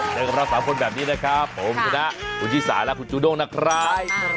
เจอกับเรา๓คนแบบนี้นะครับผมชนะคุณชิสาและคุณจูด้งนะครับ